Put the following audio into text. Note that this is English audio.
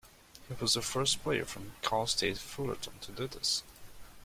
He was the first player from Cal State Fullerton to do this.